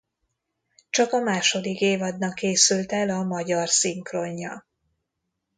Csak a második évadnak készült el a magyar szinkronja.